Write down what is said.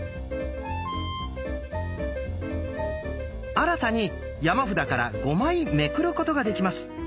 新たに山札から５枚めくることができます。